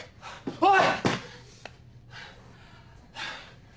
おい！